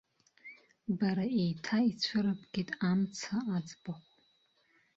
Бара еиҭа ицәырыбгеит амца аӡбахә.